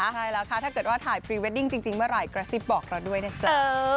ใช่แล้วค่ะถ้าเกิดว่าถ่ายพรีเวดดิ้งจริงเมื่อไหร่กระซิบบอกเราด้วยนะจ๊ะ